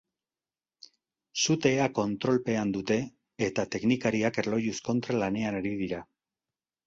Sutea kontrolpean dute eta teknikariak erlojuz kontra lanean ari dira.